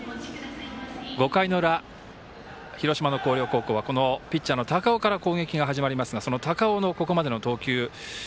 ５回の裏広島の広陵高校はこのピッチャーの高尾から攻撃が始まりますがその高尾のここまでの投球。